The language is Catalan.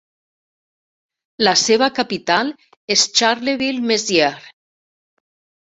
La seva capital és Charleville-Mézières.